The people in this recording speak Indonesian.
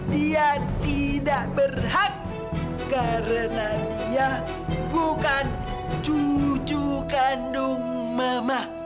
dia tidak berhak karena dia bukan cucu kandung mama